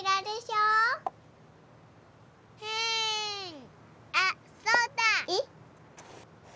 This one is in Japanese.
うんあっそうだ！えっ？